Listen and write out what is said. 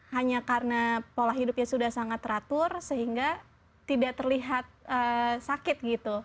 hanya karena pola hidupnya sudah sangat teratur sehingga tidak terlihat sakit gitu